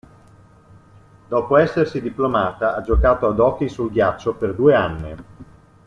Dopo essersi diplomata ha giocato ad hockey sul ghiaccio per due anni.